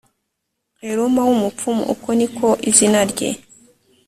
Eluma w umupfumu uko ni ko izina rye